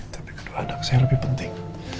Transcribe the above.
tapi kedua anak saya lebih penting